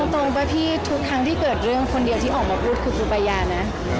ตรงป่ะพี่ทุกครั้งที่เกิดเรื่องคนเดียวที่ออกมาพูดคือครูปายานะ